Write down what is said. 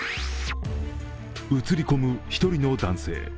映り込む１人の男性。